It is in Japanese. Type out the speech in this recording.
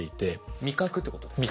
味覚ってことですか？